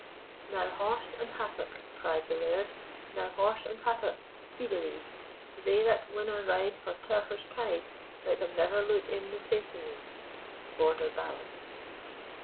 Now horse and hattock, cried the Laird, Now horse and hattock, speedilie; They that winna ride for Telfer's kye, Let them never look in the face o' me. Border Ballad.